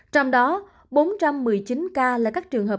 trong đó bốn trăm một mươi chín ca là các trường hợp